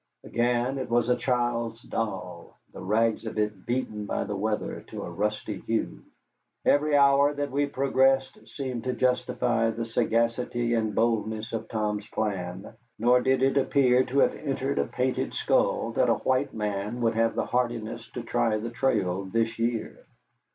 Again it was a child's doll, the rags of it beaten by the weather to a rusty hue. Every hour that we progressed seemed to justify the sagacity and boldness of Tom's plan, nor did it appear to have entered a painted skull that a white man would have the hardihood to try the trail this year.